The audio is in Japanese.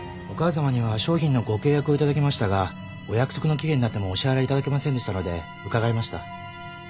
お母さまには商品のご契約をいただきましたがお約束の期限になってもお支払いいただけませんでしたので伺いました。